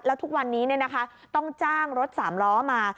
แล้วทุกวันนี้ต้องจ้างรถสามล้อมา